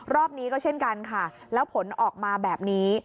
รอบนี้ก็เช่นกันค่ะแล้วผลออกมาแบบนี้